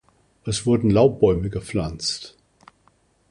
Es wurden Laubbäume gepflanzt.